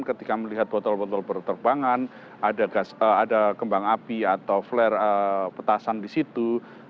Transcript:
ketika melihat botol botol berterbangan ada kembang api atau flare petasan di situ